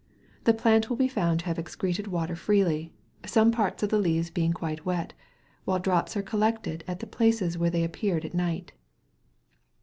The plant will be found to have excreted water freely, some parts of the leaves being quite wet, while drops are collected at the places where they appeared at night.